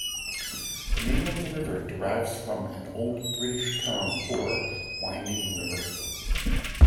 The name of the river derives from an old British term for "winding river".